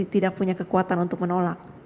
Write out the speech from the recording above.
tidak punya kekuatan untuk menolak